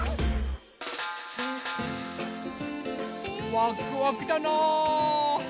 ワクワクだなぁ。